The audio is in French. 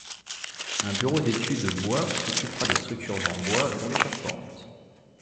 Un Bureau d'études bois s'occupera des structures en bois, dont les charpentes.